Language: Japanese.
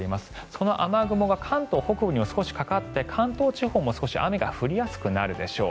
その雨雲が関東北部にも少しかかって関東地方も少し雨が降りやすくなるでしょう。